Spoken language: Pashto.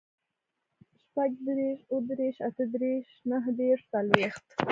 شپوږدېرش, اوهدېرش, اتهدېرش, نهدېرش, څلوېښت